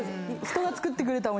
人が作ってくれた。